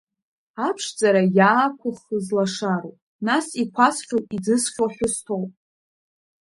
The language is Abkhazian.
Аԥшӡара иаақәыххыз лашароуп, нас, иқәасхьоу, иӡысхьоу ҳәысҭоуп.